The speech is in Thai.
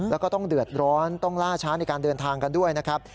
แล้วก็ต้องเดือดร้อนต้องล่าช้าในการเดินทางกันด้วยนะครับ